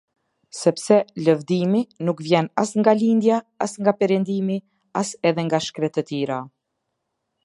Sepse lëvdimi nuk vjen as nga lindja, as nga perëndimi, as edhe nga shkretëtira.